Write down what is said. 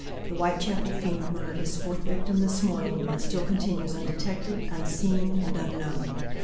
The Whitechapel fiend murdered his fourth victim this morning and still continues undetected, unseen, and unknown.